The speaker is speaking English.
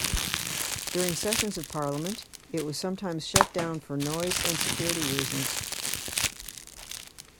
During sessions of parliament, it was sometimes shut down for noise and security reasons.